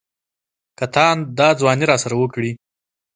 که تاند دا ځواني راسره وکړي.